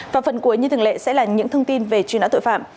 và phần cuối như thường lệ sẽ là những thông tin về chuyên án tội phạm